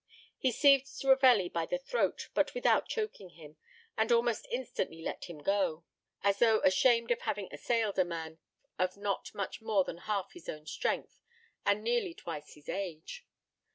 He seized Ravelli by the throat, but without choking him, and almost instantly let him go, as though ashamed of having assailed a man of not much more than half his own strength and nearly twice his age.